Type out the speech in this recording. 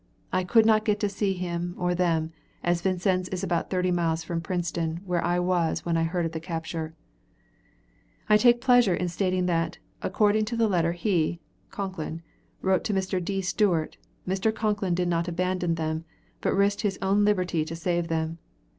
I could not get to see him or them, as Vincennes is about thirty miles from Princeton, where I was when I heard of the capture. I take pleasure in stating that, according to the letter he (Concklin) wrote to Mr. D. Stewart, Mr. Concklin did not abandon them, but risked his own liberty to save them.